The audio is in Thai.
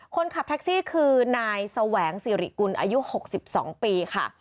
คนขับแท็กซี่คือนายแสวงสิริกุลอายุ๖๒ปีค่ะ